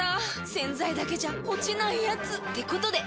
⁉洗剤だけじゃ落ちないヤツってことで。